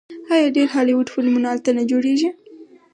آیا ډیر هالیوډ فلمونه هلته نه جوړیږي؟